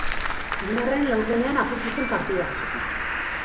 Hirugarren laurdenean apurtu zen partida.